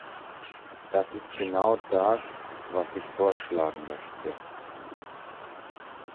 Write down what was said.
Das ist genau das, was ich vorschlagen möchte.